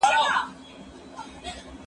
پرګنې د یوي ټولني مختليفي برخي دي.